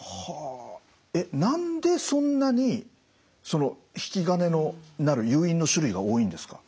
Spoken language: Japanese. ただ何でそんなにその引き金になる誘因の種類が多いんですか？